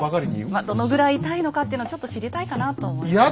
まあどのくらい痛いのかっていうのをちょっと知りたいかなと思いまして。